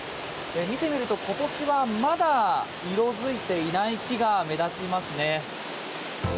見てみると今年はまだ色づいていない木が目立ちますね。